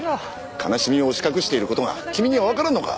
悲しみを押し隠している事が君にはわからんのか！？